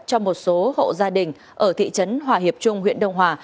cho một số hộ gia đình ở thị trấn hòa hiệp trung huyện đông hòa